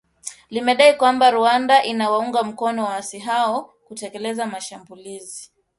limedai kwamba Rwanda inawaunga mkono waasi hao kutekeleza mashambulizi